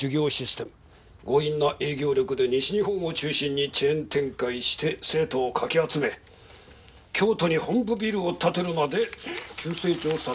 強引な営業力で西日本を中心にチェーン展開して生徒をかき集め京都に本部ビルを建てるまで急成長させた。